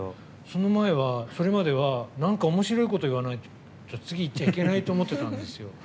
それまでは、なんかおもしろいこと言わないと次にいっちゃいけないと思ってたんですよ。